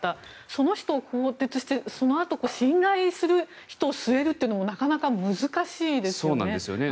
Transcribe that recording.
その人を更迭してそのあと信頼する人を据えるというのもなかなか難しいですよね。